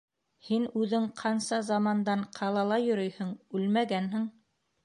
Һин үҙең ҡанса замандан ҡалала йөрөйһөң - үлмәгәнһең.